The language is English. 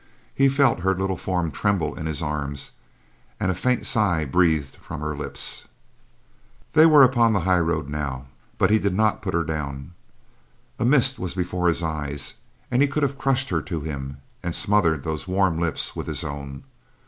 He felt her little form tremble in his arms, and a faint sigh breathed from her lips. They were upon the highroad now, but he did not put her down. A mist was before his eyes, and he could have crushed her to him and smothered those warm lips with his own.